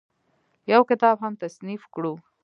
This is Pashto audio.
يو کتاب هم تصنيف کړو